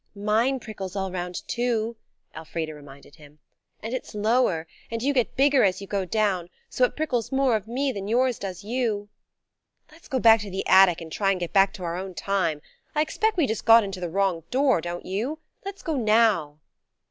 "Mine prickles all round, too," Elfrida reminded him, "and it's lower, and you get bigger as you go down, so it prickles more of me than yours does you." "Let's go back to the attic and try and get back into our own time. I expect we just got in to the wrong door, don't you? Let's go now."